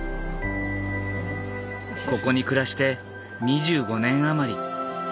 ここに暮らして２５年余り。